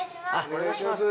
お願いします。